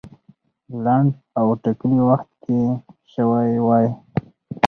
لنډ او ټاکلي وخت کې سوی وای.